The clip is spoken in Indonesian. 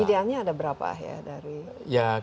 idealnya ada berapa ya